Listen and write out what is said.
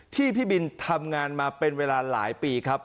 พี่บินทำงานมาเป็นเวลาหลายปีครับ